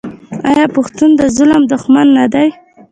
آیا پښتون د ظالم دښمن نه دی؟